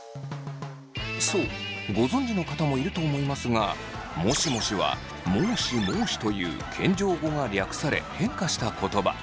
そうご存じの方もいると思いますがもしもしは申し申しという謙譲語が略され変化した言葉。